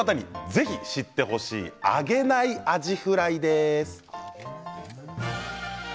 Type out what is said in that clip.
そんな方にぜひ知ってほしい揚げないアジフライです。